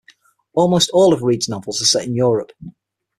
Almost all of Read's novels are set in Europe.